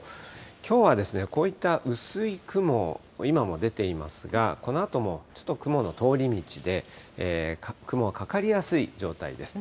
きょうはこういった薄い雲、今も出ていますが、このあともちょっと雲の通り道で、雲がかかりやすい状態です。